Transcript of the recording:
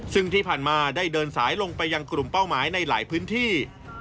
ซึ่งที่ผ่านมาได้เดินสายลงไปยังกลุ่มเป้าหมายในหลายพื้นที่